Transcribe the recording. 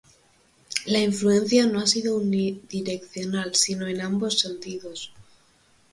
La influencia no ha sido unidireccional, sino en ambos sentidos.